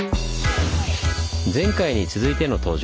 前回に続いての登場